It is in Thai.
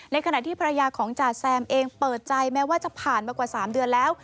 ขณะที่ภรรยาของจ่าแซมเองเปิดใจแม้ว่าจะผ่านมากว่า๓เดือนแล้ว